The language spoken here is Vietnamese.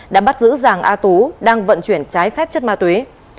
đã bắt giữ giàng a tú đang vận chuyển trái phép chất ma túy